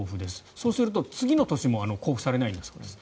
そうすると次の年も交付されないんだそうです。